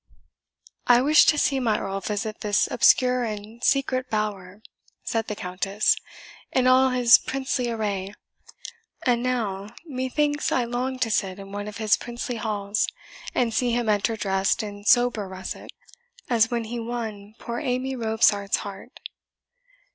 "I wished to see my Earl visit this obscure and secret bower," said the Countess, "in all his princely array; and now, methinks I long to sit in one of his princely halls, and see him enter dressed in sober russet, as when he won poor Amy Robsart's heart."